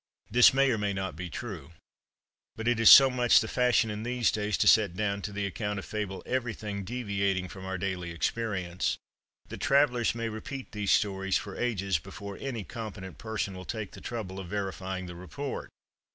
This may or may not be true; but it is so much the fashion in these days to set down to the account of fable everything deviating from our daily experience, that travellers may repeat these stories for ages before any competent person will take the trouble of verifying the report.